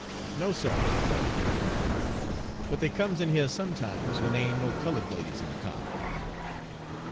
"No, suh," replied the porter, "but they comes in here sometimes, when they ain' no cullud ladies on the kyar."